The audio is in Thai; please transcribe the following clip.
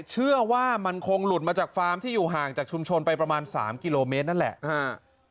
เชื่อว่ามันคงหลุดมาจากฟาร์มที่อยู่ห่างจากชุมชนไปประมาณสามกิโลเมตรนั่นแหละ